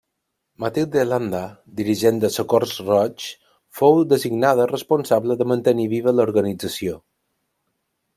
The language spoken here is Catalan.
Matilde Landa, dirigent del Socors Roig, fou designada responsable de mantenir viva l'organització.